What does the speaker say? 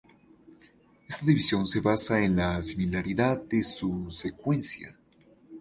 Esta división se basa en la similaridad de su secuencia.